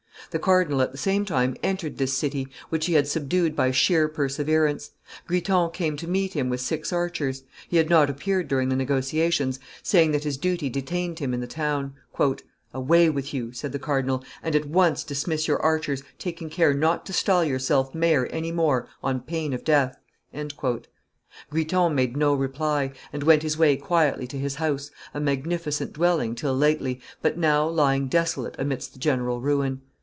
The cardinal at the same time entered this city, which he had subdued by sheer perseverance; Guiton came to meet him with six archers; he had not appeared during the negotiations, saying that his duty detained him in the town. "Away with you!" said the cardinal, "and at once dismiss your archers, taking care not to style yourself mayor any more on pain of death." Guiton made no reply, and went his way quietly to his house, a magnificent dwelling till lately, but now lying desolate amidst the general ruin.